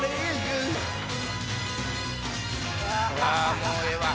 もうええわ！